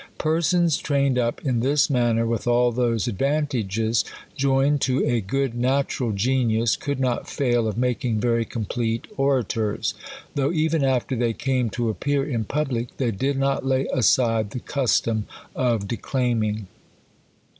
Persons trained up in this manner, with all those advartages, joined to a good natural genius, C9uld not fail of making very complete orators. Though even after they came to appear in public, they did not lay aside the custom of declaiming.